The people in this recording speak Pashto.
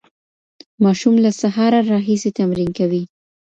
ماشوم له سهاره راهیسې تمرین کوي.